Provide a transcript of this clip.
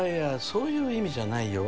そういう意味じゃないよ